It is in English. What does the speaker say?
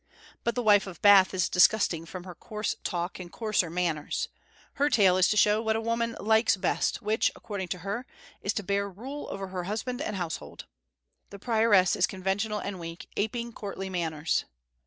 But the wife of Bath is disgusting from her coarse talk and coarser manners. Her tale is to show what a woman likes best, which, according to her, is to bear rule over her husband and household. The prioress is conventional and weak, aping courtly manners.